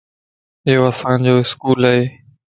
يو اسان جو اسڪول ائي